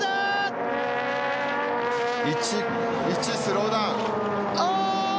１スローダウン。